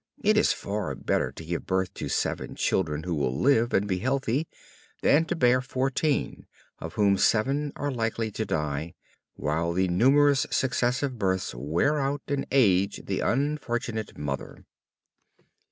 It is far better to give birth to seven children, who will live and be healthy, than to bear fourteen, of whom seven are likely to die, while the numerous successive births wear out and age the unfortunate mother.